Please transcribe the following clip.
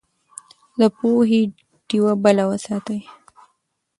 د پوهې ډيوه بله وساتئ.